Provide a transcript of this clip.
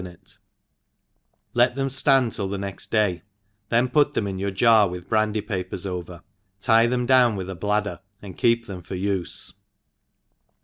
iacity kt them (land tilt the next day, then put thboi in your jar, with brandy papers aver;, tier tbein down with a bladder, and keep them for ufe.